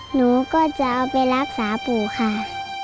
หนูก็จะเอาไปรักษาปู่ค่ะ